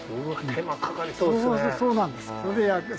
手間かかりそうですね。